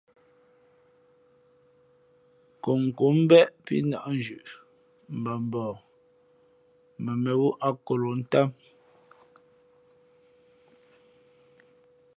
Nkomnkǒm mbéʼ pí nᾱʼ nzhʉʼ mbα mbαα mα mēnwú akolǒʼ ntám.